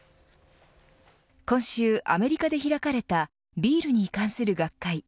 今週アメリカで開かれたビールに関する学会。